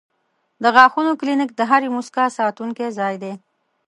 د غاښونو کلینک د هرې موسکا ساتونکی ځای دی.